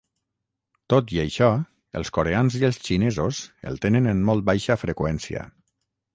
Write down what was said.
Tot i això, els coreans i els xinesos el tenen en molt baixa freqüència.